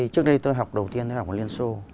trước đây tôi học đầu tiên tôi học ở liên xô